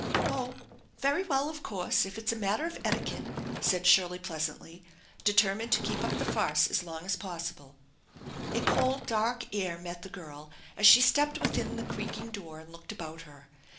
" Oh, very well, of course, if it's a matter of etiquette !* aaid Shirley pleasantly, determined to keep up the farce a> long as possible. A cold, dark air met the girl as she stepped within the creaking door and looked about her.